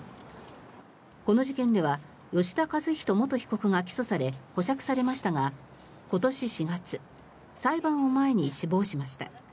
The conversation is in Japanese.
この事件では吉田和人元被告が起訴され、保釈されましたが今年４月裁判を前に死亡しました。